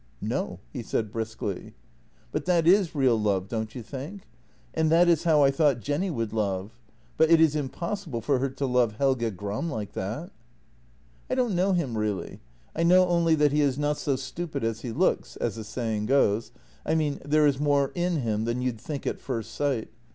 No," he said briskly. " But that is real love, don't you think? And that is how I thought Jenny would love, but it is impossible for her to love Helge Gram like that." " I don't know him really. I know only that he is not so stupid as he looks — as the saying goes — I mean, there is more in him than you'd think at first sight.